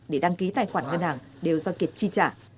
để đăng ký tài khoản ngân hàng đều do kiệt chi trả